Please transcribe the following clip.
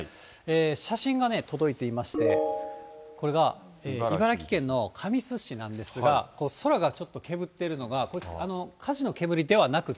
写真が届いていまして、これが茨城県の神栖市なんですが、空がちょっとけぶっているのが、これ、火事の煙ではなくて。